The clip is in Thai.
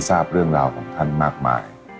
แต่ตอนเด็กก็รู้ว่าคนนี้คือพระเจ้าอยู่บัวของเรา